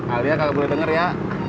alia gak boleh denger ya